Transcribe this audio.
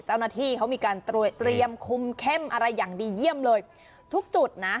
เจ้าหน้าที่เขามีการเตรียมคุมเข้มอะไรอย่างดีเยี่ยมเลยทุกจุดนะ